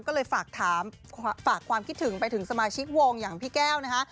ก็เลยฝากถามฝากความคิดถึงไปถึงสมาชิกวงอย่างพี่แก้วนะคะ